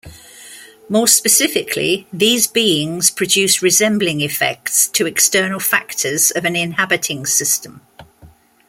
More specifically, these beings produce resembling effects to external factors of an inhabiting system.